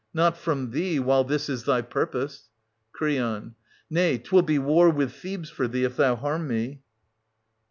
Not from thee, while this is thy purpose. Cr. Nay, 'twill be war with Thebes for thee, M thou harm me.